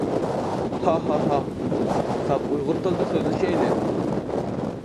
ھا ھا ھا. ساپ ئۇيغۇر تىلىدا سۆزلىشەيلى!